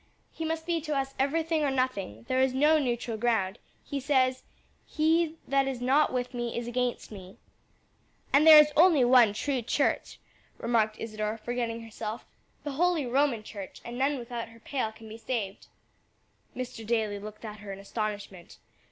He must be to us everything or nothing; there is no neutral ground; he says, 'He that is not with me is against me.'" "And there is only one true church," remarked Isadore, forgetting herself; "the holy Roman Church, and none without her pale can be saved." Mr. Daly looked at her in astonishment.